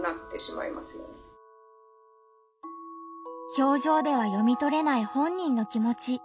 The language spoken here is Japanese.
表情では読みとれない本人の気持ち。